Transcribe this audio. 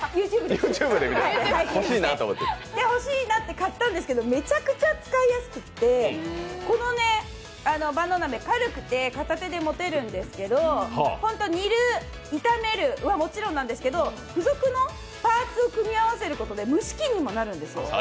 欲しいなって買ったんですけど、めちゃめちゃ使いやすくてこの万能鍋、軽くて片手で持てるんですけど、煮る、炒めるはもちろんなんですけれども、付属のパーツを組み合わせることで蒸し器にもなるんです